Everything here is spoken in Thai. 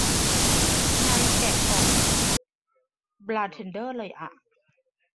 ใน แกะกล่อง เหมือน บาร์เทนเดอร์ เลยอ่ะ